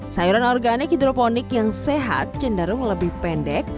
sayuran organik hidroponik yang sehat cenderung lebih pendek